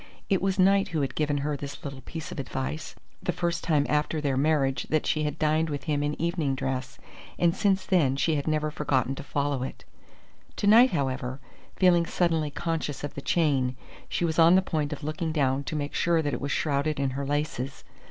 It was Knight who had given her this little piece of advice, the first time after their marriage that she had dined with him in evening dress, and since then she had never forgotten to follow it. To night, however, feeling suddenly conscious of the chain, she was on the point of looking down to make sure that it was shrouded in her laces.